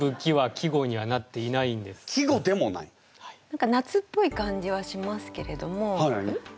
何か夏っぽい感じはしますけれども。